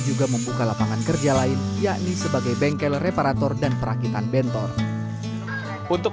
juga membuka lapangan kerja lain yakni sebagai bengkel reparator dan perakitan bentor untuk